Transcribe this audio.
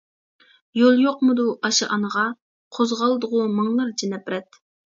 يول يوقمىدۇ ئاشۇ ئانىغا؟ قوزغالدىغۇ مىڭلارچە نەپرەت.